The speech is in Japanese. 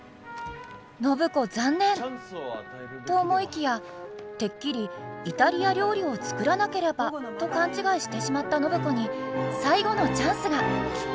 暢子残念！と思いきやてっきりイタリア料理を作らなければと勘違いしてしまった暢子に最後のチャンスが。